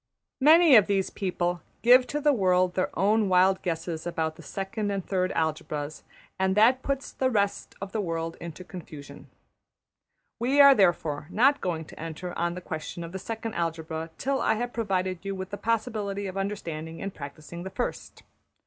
Many of these people give to the world their own wild guesses about the second and third algebras, and that puts the rest of the world into confusion. We are, therefore, not going to enter on the question of the second algebra till I have provided you with the possibility of understanding and practising the first.